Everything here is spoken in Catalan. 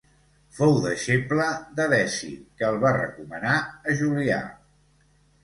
Fou deixeble d'Edesi que el va recomanar a Julià.